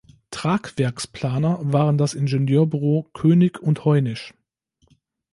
Tragwerksplaner waren das Ingenieurbüro König und Heunisch.